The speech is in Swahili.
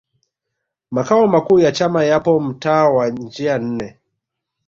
makao makuu ya chama yapo mtaa wa njia nne